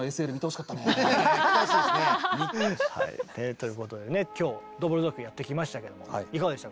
来てほしいですね。ということでね今日「ドボルザーク」やってきましたけどもいかがでした？